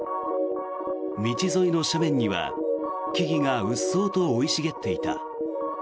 道沿いの斜面には、木々がうっそうと生い茂っていた。